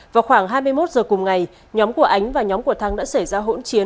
vào khoảng hai mươi một giờ cùng ngày nhóm của ánh và nhóm của thắng đã xảy ra hỗn chiến